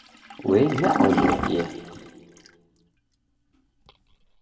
We neajotiye.